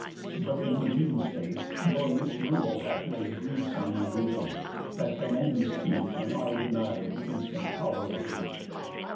But in the mean space your misrule hath laid Griefs on my bosom, that can only speak, And are denied the instant pow'r of wreak."